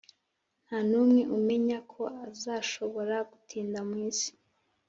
Ntanumwe umenya ko azashobora gutinda mu isi